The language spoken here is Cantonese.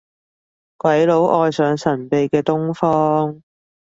鬼佬愛上神秘嘅東方